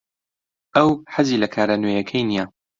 ئەو حەزی لە کارە نوێیەکەی نییە.